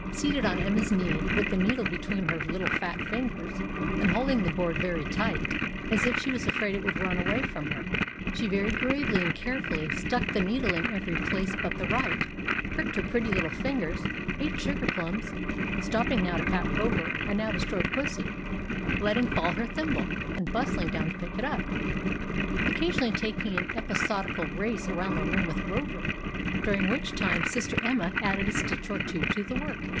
Seated on Emma's knee, with the needle between her little fat fingers, and holding the board very tight, as if she was afraid it would run away from her, she very gravely and carefully stuck the needle in every place but the right pricked her pretty fingers ate sugar plums stopping now to pat Rover, and now to stroke pussy letting fall her thimble, and bustling down to pick it up occasionally taking an episodical race round the room with Rover, during which time Sister Emma added a stitch or two to the work.